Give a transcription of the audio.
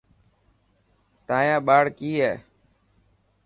تايان ٻاڙ ڪئي هي.